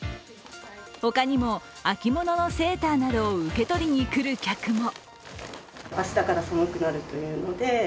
他にも、秋物のセーターなどを受け取りに来る客も。